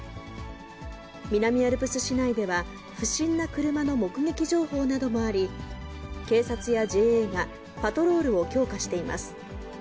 南アルプス市内では、不審な車の目撃情報などもあり、警察やＪＡが、パトロールを強化しています。